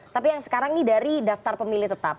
tapi yang sekarang ini dari daftar pemilih tetap